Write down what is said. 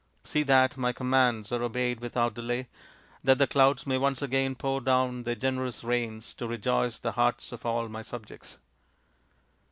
See that my commands are obeyed without delay, that the clouds may once again pour down their generous rains to rejoice the hearts of all my subjects."